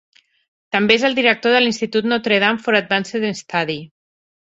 També és el director de l'institut Notre Dame for Advanced Study.